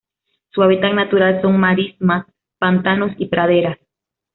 Su hábitat natural son marismas, pantanos y praderas.